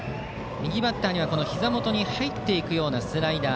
右バッターには、ひざ元に入っていくようなスライダー。